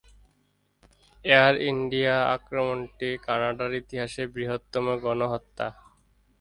Air India আক্রমণটি কানাডার ইতিহাসের বৃহত্তম গণহত্যা।